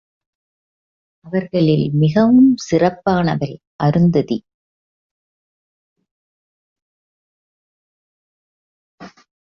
அவர்களில் மிகவும் சிறப்பானவள் அருந்ததி.